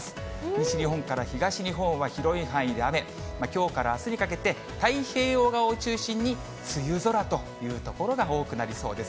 西日本から東日本は広い範囲で雨、きょうからあすにかけて、太平洋側を中心に梅雨空という所が多くなりそうです。